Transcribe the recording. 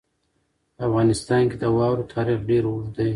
په افغانستان کې د واورو تاریخ ډېر اوږد دی.